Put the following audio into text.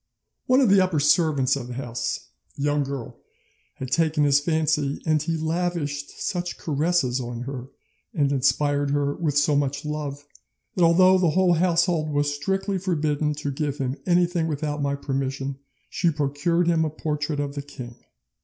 One of the upper servants of the house, a young girl, had taken his fancy, and he lavished such caresses on her and inspired her with so much love, that although the whole household was strictly forbidden to give him anything without my permission, she procured him a portrait of the king.